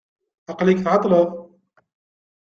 Aqel-ik tɛeṭleḍ.